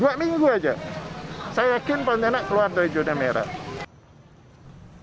dua minggu saja saya yakin pontianak keluar dari zona merah